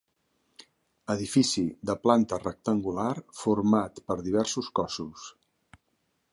Edifici de planta rectangular format per diversos cossos.